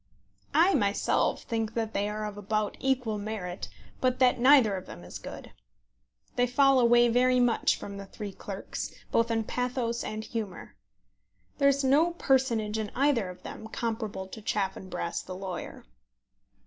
I myself think that they are of about equal merit, but that neither of them is good. They fall away very much from The Three Clerks, both in pathos and humour. There is no personage in either of them comparable to Chaffanbrass the lawyer.